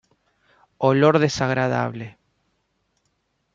Olor desagradable.